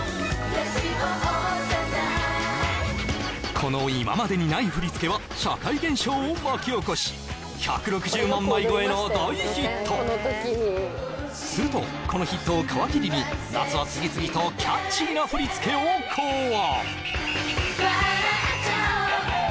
この今までにない振り付けは社会現象を巻き起こし１６０万枚超えの大ヒットするとこのヒットを皮切りに夏は次々とキャッチーな振り付けを考案